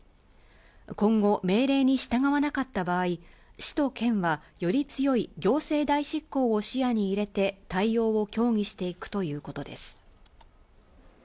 今後、命令に従わなかった場合、市と県はより強い行政代執行を視野に入れて、対応を協議していくということです。